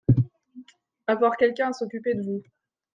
Avoir quelqu’un à s’occuper de vous.